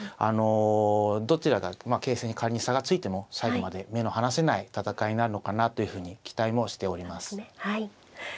あのどちらが形勢に仮に差がついても最後まで目の離せない戦いになるのかなというふうに期待もしております。